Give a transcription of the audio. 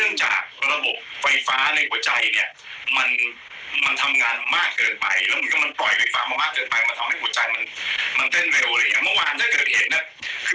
วันจันทรไปไม่ได้วันจันทรไปถ่ายสามแทรก